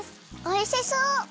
おいしそう！